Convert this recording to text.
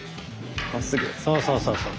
そうそうそうそう。